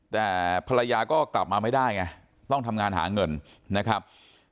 แต่ภรรยาก็กลับมาไม่ได้ไงต้องทำงานหาเงินนะครับ